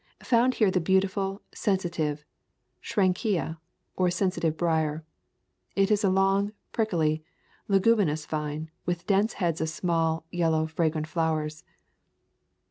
Found here the beautiful, sensitive Schrankia, or sensitive brier. It is a long, prickly, leguminous vine, with dense heads of small, yellow fragrant flowers.